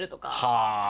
はあ。